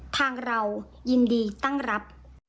ทางเรายินดีตั้งรับ